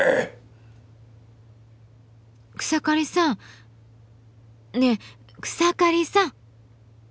草刈さんねえ草刈さん！